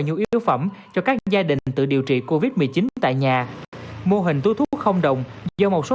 nhu yếu phẩm cho các gia đình tự điều trị covid một mươi chín tại nhà mô hình túi thuốc không đồng do một số